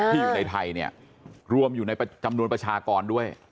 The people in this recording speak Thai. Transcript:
อยู่ในไทยเนี่ยรวมอยู่ในจำนวนประชากรด้วย